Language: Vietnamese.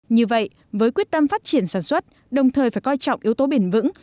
như vậy với quyết tâm phát triển sản xuất đồng thời phải coi trọng yếu tố bền vững